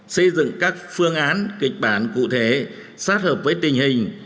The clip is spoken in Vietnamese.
xây dựng các phương án kịch bản cụ thể sát hợp với tình hình